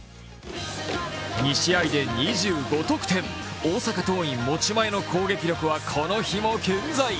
２試合で２５得点、大阪桐蔭持ち前の攻撃力はこの日も健在。